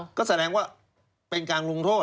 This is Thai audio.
ก็แสดงว่าเป็นการลงโทษ